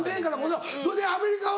それでアメリカは？